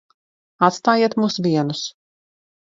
Atstājiet mūs vienus.